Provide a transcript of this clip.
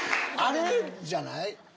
あれじゃない？